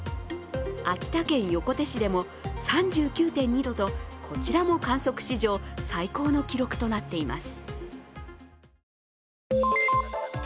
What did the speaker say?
秋田県横手市でも３９．２度とこちらも観測史上最高の記録となっています。